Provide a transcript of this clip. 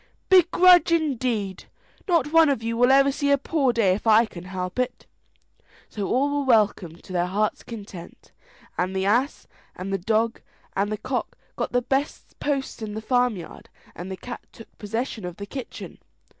"Begrudge, indeed! Not one of you will ever see a poor day if I can help it." So all were welcomed to their heart's content, and the ass and the dog and the cock got the best posts in the farmyard, and the cat took possession of the kitchen.